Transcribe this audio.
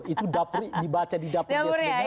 itu dapur dibaca di dapur